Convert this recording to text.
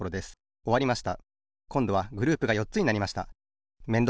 おわりました。